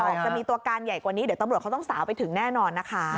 จะมีตัวการใหญ่กว่านี้เดี๋ยวตำรวจเขาต้องสาวไปถึงแน่นอนนะคะ